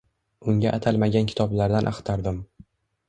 Unga atalmagan kitoblardan axtardim